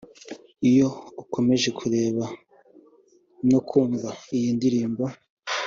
Iyo ukomeje kureba no kumva iyi ndirimbo